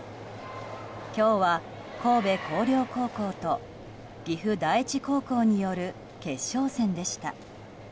今日は神戸弘陵高校と岐阜第一高校による決勝戦でした。